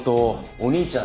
お兄ちゃん！